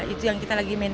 itu yang kita inginkan